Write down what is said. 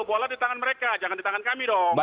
bola di tangan mereka jangan di tangan kami dong